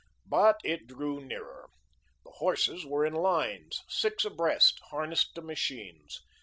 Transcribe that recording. But it drew nearer. The horses were in lines, six abreast, harnessed to machines.